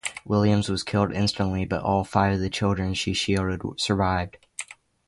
Williams was killed instantly but all five of the children she shielded survived.